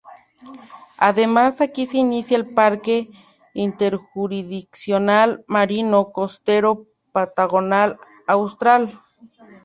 Además, aquí se inicia el Parque interjurisdiccional marino costero Patagonia Austral.